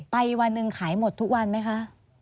วันหนึ่งขายหมดทุกวันไหมคะ